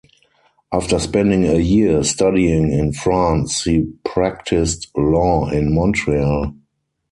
After spending a year studying in France, he practiced law in Montreal.